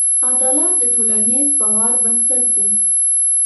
عدالت د ټولنیز باور بنسټ دی.